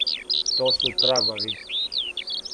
То су трагови.